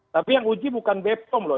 tapi yang uji bukan bepom loh